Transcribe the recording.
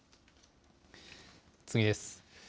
次です。